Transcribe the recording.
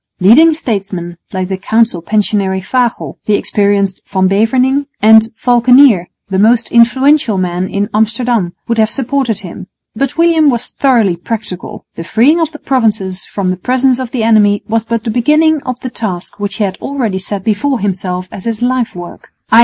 Leading statesmen like the Council Pensionary Fagel, the experienced Van Beverningh, and Valckenier, the most influential man in Amsterdam, would have supported him. But William was thoroughly practical. The freeing of the Provinces from the presence of the enemy was but the beginning of the task which he had already set before himself as his life work, _i.